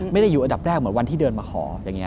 ไม่ได้อยู่อันดับแรกเหมือนวันที่เดินมาขออย่างนี้